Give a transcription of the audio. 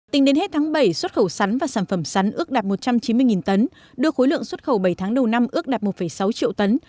tính đến hết tháng bảy xuất khẩu sắn và sản phẩm sắn ước đạt một trăm chín mươi tấn